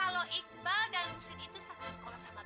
kalau iqbal dan husin itu satu sekolah sama badi